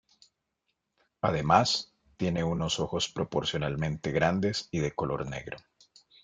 Además tiene unos ojos proporcionalmente grandes y de color negro.